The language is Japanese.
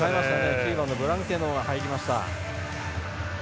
９番のブランケノーが入りました。